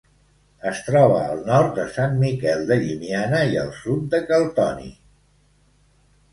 Es troba al nord de Sant Miquel de Llimiana i al sud de Cal Toni.